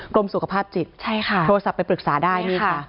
กรมสุขภาพจิตโทรศับท์ไปปรึกษาได้นี่ค่ะค่ะ